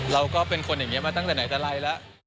เราก็เป็นคนอย่างนี้มาตั้งแต่ไหนแต่ไรแล้ว